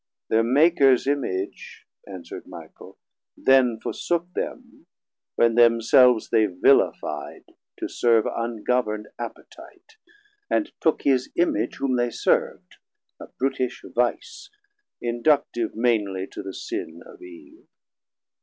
Thir Makers Image, answerd Michael, then Forsook them, when themselves they villifi'd To serve ungovern'd appetite, and took His Image whom they serv'd, a brutish vice, Inductive mainly to the sin of Eve.